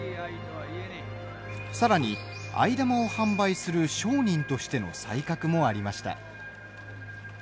さらに藍玉を販売する商人としての才覚もありました。